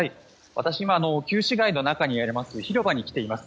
私は今、旧市街の中にあります広場に来ています。